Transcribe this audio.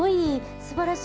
すばらしい。